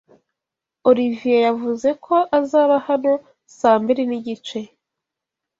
Olivier yavuze ko azaba hano saa mbiri nigice.